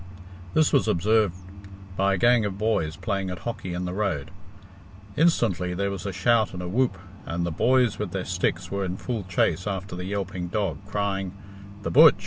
This was observed by a gang of boys playing at hockey in the road. Instantly there was a shout and a whoop, and the boys with their sticks were in full chase after the yelping dog, crying, "The butch!